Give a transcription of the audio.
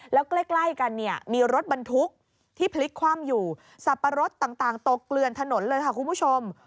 แล้วใกล้กันเนี่ยมีรถบรรทุกที่พลิกคว่ำอยู่สับปะรดต่างตกเกลือนถนนเลยค่ะคุณผู้ชม